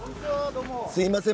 すいません。